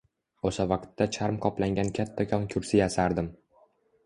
O`sha vaqtda charm qoplangan kattakon kursi yasardim